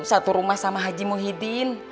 satu rumah sama haji muhyiddin